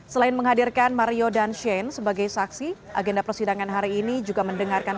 selain menghadirkan mario dan shane sebagai saksi agenda persidangan hari ini juga mendengarkan